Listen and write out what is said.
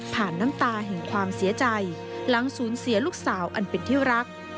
น้ำตาแห่งความเสียใจหลังสูญเสียลูกสาวอันเป็นที่รัก